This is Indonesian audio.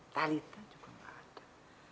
talita juga nggak ada